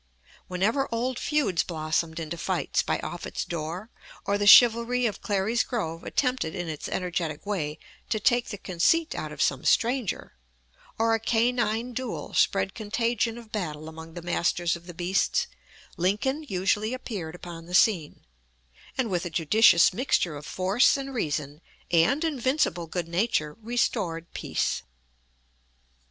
Whenever old feuds blossomed into fights by Offutt's door, or the chivalry of Clary's Grove attempted in its energetic way to take the conceit out of some stranger, or a canine duel spread contagion of battle among the masters of the beasts, Lincoln usually appeared upon the scene, and with a judicious mixture of force and reason and invincible good nature restored peace.